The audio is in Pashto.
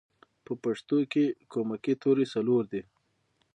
په پښتو کې کومکی توری څلور دی